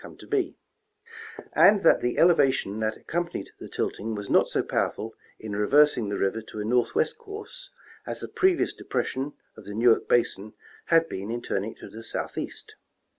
231 come to be ; and that the elevation that accompanied the tilting was not so powerful in reversing the river to a northwest course as the previous depression of the Newark basin had been in turning it to the southeast.